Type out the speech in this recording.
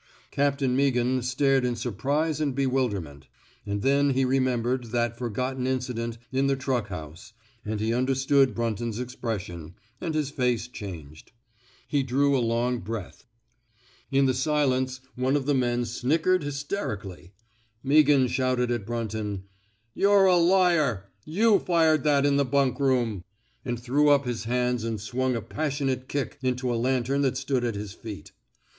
Captain Meaghan stared in sur prise and bewilderment. And then he re membered that forgotten incident in the truck house, and he understood Brunton ^s expression, and his face changed. He drew a long breath. In the silence, 143 THE SMOKE EATEES one of the men snickered hysterically. Mea ghan shouted at Brunton: You're a liar I You fired that in the bunk room I "— and threw up his hands and swung a passionate kick into a lantern that stood at his feet.